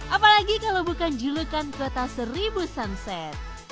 apalagi kalau bukan julukan kota seribu sunset